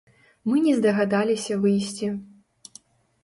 Мы не здагадаліся выйсці.